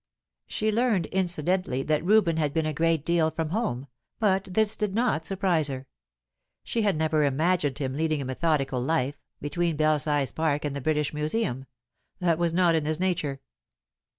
She learned incidentally that Reuben had been a great deal from home; but this did not surprise her. She had never imagined him leading a methodical life, between Belsize Park and the British Museum. That was not in his nature.